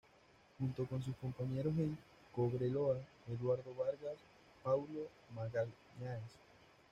Junto con sus compañeros en Cobreloa, Eduardo Vargas, Paulo Magalhães.